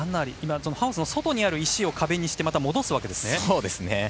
ハウスの外にある石を壁にしてまた戻すわけですね。